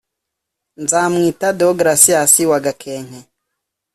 Nzamwita Deogratias wa Gakenke